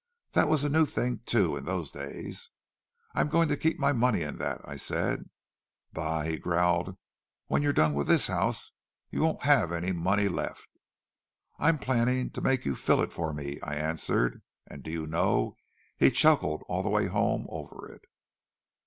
(That was a new thing, too, in those days.)—'I'm going to keep my money in that,' I said. 'Bah!' he growled, 'when you're done with this house, you won't have any money left.'—'I'm planning to make you fill it for me,' I answered; and do you know, he chuckled all the way home over it!"